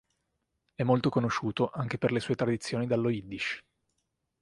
È molto conosciuto anche per le sue traduzioni dallo Yiddish.